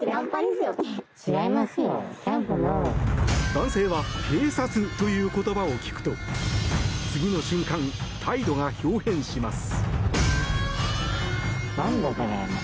男性は警察という言葉を聞くと次の瞬間、態度が豹変します。